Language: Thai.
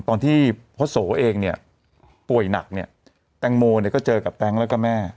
ตอนที่พ่อโสเองเนี่ยป่วยหนักเนี่ยแตงโมเนี่ยก็เจอกับแต๊งแล้วก็แม่